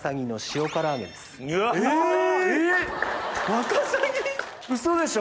ワカサギ⁉ウソでしょ